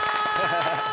ハハハハ。